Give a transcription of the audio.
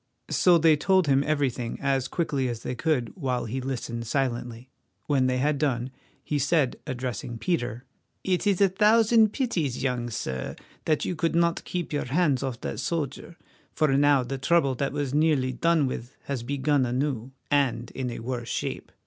So they told him everything as quickly as they could, while he listened silently. When they had done, he said, addressing Peter: "It is a thousand pities, young sir, that you could not keep your hands off that soldier, for now the trouble that was nearly done with has begun anew, and in a worse shape.